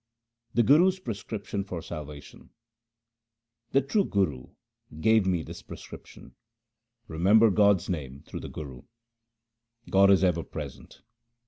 The Guru's prescription for salvation :— The true Guru gave me this prescription — Remember God's name through the Guru. God is ever present.